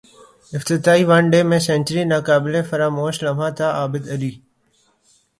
افتتاحی one day میں century ناقابل فراموش لمحہ تھاعابدعلی